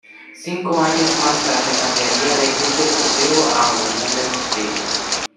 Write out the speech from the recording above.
Cinco años más tarde cambiaría de Club Deportivo a Unión Deportiva.